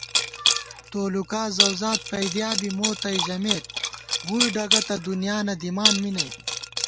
تولُکا زَؤزات پَئیدِیا بی مو تئ ژَمېت ووئی ڈگہ تہ دُنیا نہ دِمان می نئ